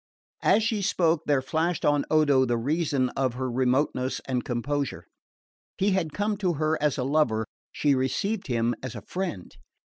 As she spoke there flashed on Odo the reason of her remoteness and composure. He had come to her as a lover: she received him as a friend.